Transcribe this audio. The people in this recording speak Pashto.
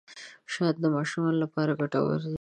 شات د ماشومانو لپاره ګټور دي.